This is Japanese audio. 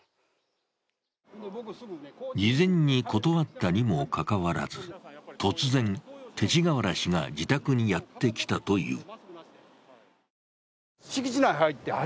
事前に断ったにもかかわらず、突然、勅使河原氏が自宅にやってきたという。